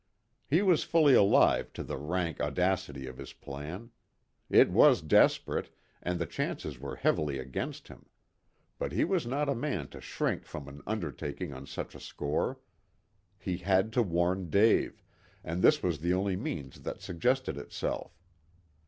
He was fully alive to the rank audacity of his plan. It was desperate, and the chances were heavily against him. But he was not a man to shrink from an undertaking on such a score. He had to warn Dave, and this was the only means that suggested itself.